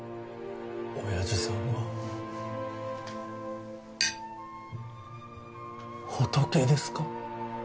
オヤジさんは仏ですか？